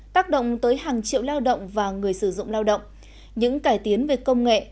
tác động tới hàng triệu lao động và người sử dụng lao động những cải tiến về công nghệ